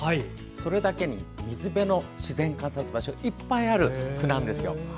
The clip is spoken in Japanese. それだけに水辺の自然観察場所がいっぱいあるんですよ。